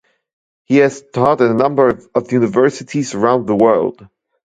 He has taught at a number of universities around the world.